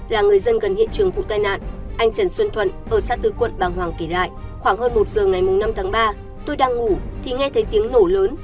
là người dân gần hiện trường vụ tai nạn anh trần xuân thuận ở xã tư quận bàng hoàng kể lại khoảng hơn một giờ ngày năm tháng ba tôi đang ngủ thì nghe thấy tiếng nổ lớn